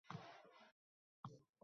Patentni hayotga tatbiq eta oladigan bor